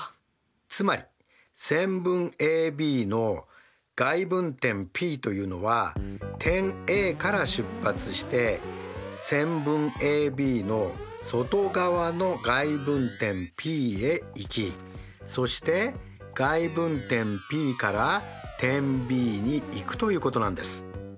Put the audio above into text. つまり線分ＡＢの外分点Ｐというのは点Ａから出発して線分ＡＢの外側の外分点Ｐへ行きそして外分点Ｐから点Ｂに行くということなんです。